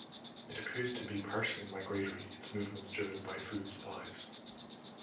It appears to be partially migratory, its movements driven by food supplies.